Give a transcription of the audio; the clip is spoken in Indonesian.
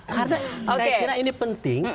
karena ini penting